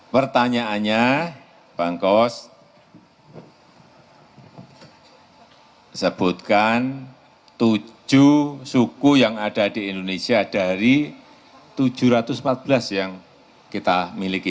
pertanyaannya bang kos sebutkan tujuh suku yang ada di indonesia dari tujuh ratus empat belas yang kita miliki